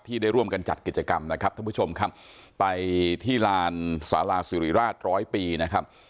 ได้ร่วมกันจัดกิจกรรมนะครับท่านผู้ชมครับไปที่ลานสาราสิริราชร้อยปีนะครับ